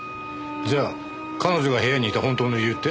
じゃあ彼女が部屋にいた本当の理由って？